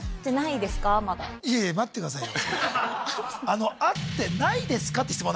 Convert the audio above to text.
いえいえ待ってくださいよ。